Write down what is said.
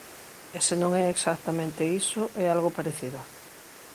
E se non é exactamente iso é algo parecido.